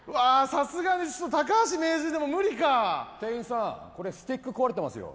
さすがに高橋名人でもムリか店員さんこれスティック壊れてますよ